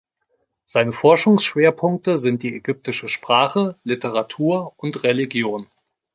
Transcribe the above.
Seine Forschungsschwerpunkte sind die ägyptische Sprache, Literatur und Religion.